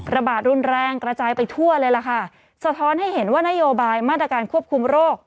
ระบาดรุนแรงกระจายไปทั่วเลยล่ะค่ะสะท้อนให้เห็นว่านโยบายมาตรการควบคุมโรค